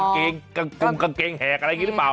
กางเกงแหกอะไรอย่างนี้หรือเปล่า